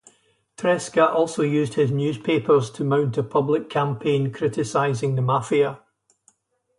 Tresca also used his newspapers to mount a public campaign criticising the Mafia.